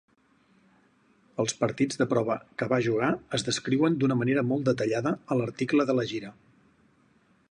Els partits de prova que va jugar es descriuen d'una manera molt detallada a l'article de la gira.